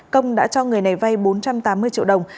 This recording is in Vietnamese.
công đã cho người này vay bốn trăm tám mươi triệu đồng